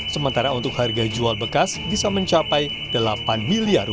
sementara untuk harga jual bekas bisa mencapai rp delapan miliar